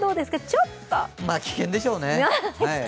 ちょっとまあ、危険でしょうね。